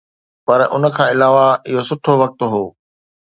پر ان کان علاوه اهو سٺو وقت هو.